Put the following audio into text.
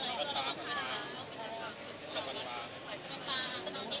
พี่เอาไว้มาข้างนี้